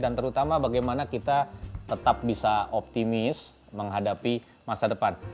dan terutama bagaimana kita tetap bisa optimis menghadapi masa depan